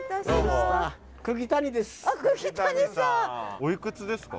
おいくつですか？